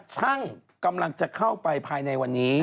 ช่างกำลังจะเข้าไปภายในวันนี้